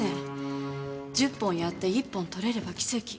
十本やって一本取れれば奇跡。